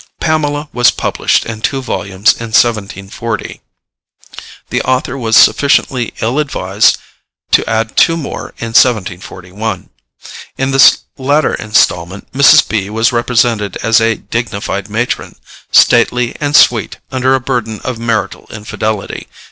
Pamela was published in two volumes in 1740. The author was sufficiently ill advised to add two more in 1741. In this latter instalment Mrs. B. was represented as a dignified matron, stately and sweet under a burden of marital infidelity.